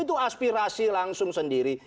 itu aspirasi langsung sendiri